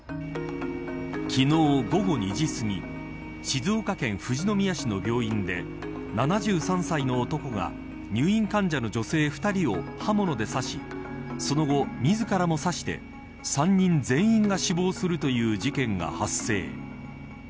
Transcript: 昨日午後２時すぎ静岡県富士宮市の病院で７３歳の男が入院患者の女性２人を刃物で刺しその後、自らも刺して３人全員が死亡するという事件が発生。